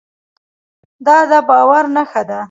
دا د باور نښه ده.